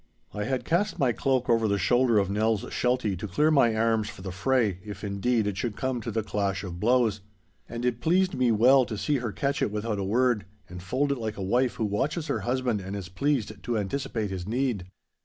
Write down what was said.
I had cast my cloak over the shoulder of Nell's sheltie to clear my arms for the fray, if indeed it should come to the clash of blows; and it pleased me well to see her catch it without a word, and fold it like a wife who watches her husband and is pleased to anticipate his need.